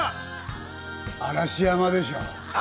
嵐山でしょ？